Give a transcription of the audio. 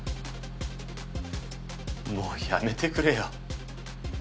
もうやめてくれよ。